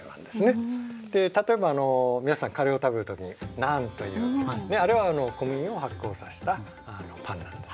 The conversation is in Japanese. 例えば皆さんカレーを食べる時にナンというあれは小麦を発酵させたパンなんですね。